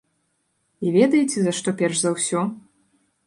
І ведаеце за што перш за ўсё?